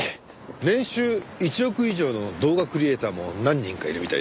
年収１億以上の動画クリエイターも何人かいるみたいです。